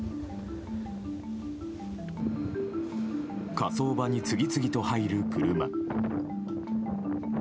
火葬場に次々と入る車。